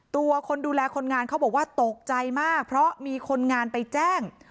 ตัวคนดูแลคนงานเขาบอกว่าตกใจมากเพราะมีคนงานไปแจ้ง